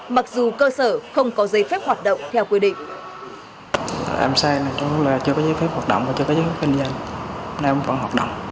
mặc dù cơ sở không có giấy phép hoạt động theo quy định